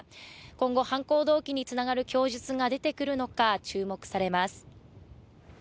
今後、犯行動機につながる供述が出てくるのか注目されます。